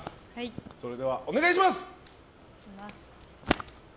それでは、お願いします！